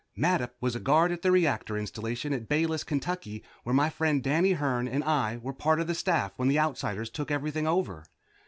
Mattup was a guard at the reactor installation at Bayless, Kentucky, where my friend Danny Hern and I were part of the staff when the Outsiders took everything over.